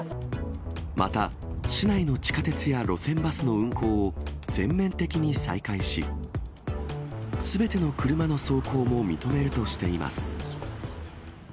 また、市内の地下鉄や路線バスの運行を全面的に再開し、すべての車の走行も認めるとしています。